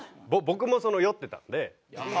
僕もその酔ってたんで。